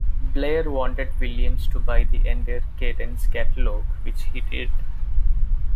Bleyer wanted Williams to buy the entire Cadence catalogue, which he did.